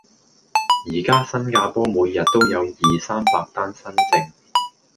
而家新加坡每日都有二、三百單新症